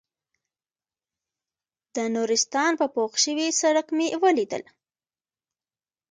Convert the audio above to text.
د نورستان په پوخ شوي سړک مې وليدل.